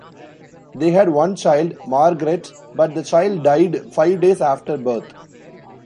They had one child, Margaret, but the child died five days after birth.